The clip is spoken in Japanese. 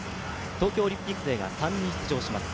東京オリンピック勢が３人出場します。